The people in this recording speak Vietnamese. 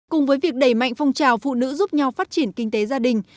cùng với việc đẩy mạnh phong trào phụ nữ giúp nhau phát triển kinh tế gia đình